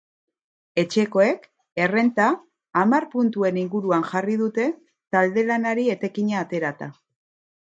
Etxekoek errenta hamar puntuen inguruan jarri dute talde-lanari etekina aterata.